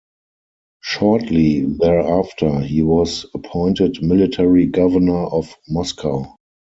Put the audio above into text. Shortly thereafter he was appointed military governor of Moscow.